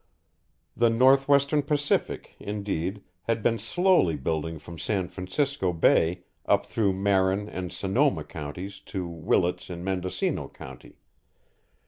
The Northwestern Pacific, indeed, had been slowly building from San Francisco Bay up through Marin and Sonoma counties to Willits in Mendocino County.